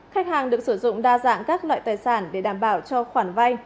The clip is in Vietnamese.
khách hàng được sử dụng đa dạng các loại tài sản để đảm bảo cho khoản vay